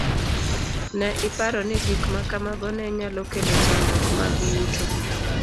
Ne iparo ni gik ma kamago ne nyalo kelo chandruok mag yuto.